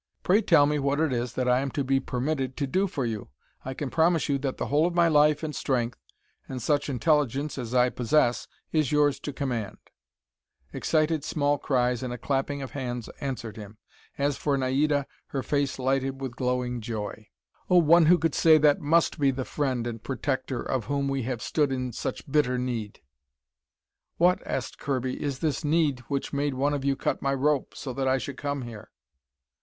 "Pray tell me what it is that I am to be permitted to do for you. I can promise you that the whole of my life and strength, and such intelligence as I possess, is yours to command." Excited small cries and a clapping of hands answered him. As for Naida, her face lighted with glowing joy. "Oh, one who could say that, must be the friend and protector of whom we have stood in such bitter need!" "What," asked Kirby, "is this need which made one of you cut my rope, so that I should come here?"